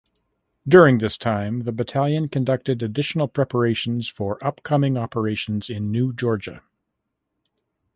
During this time the battalion conducted additional preparations for upcoming operations in New Georgia.